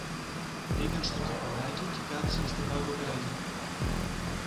Μπήκαν στο κηπαράκι και κάθισαν στον μπάγκο πλάγι του.